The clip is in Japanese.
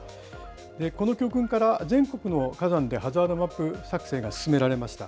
この教訓から、全国の火山でハザードマップ作成が進められました。